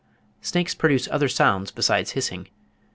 Snakes produce other sounds besides hissing.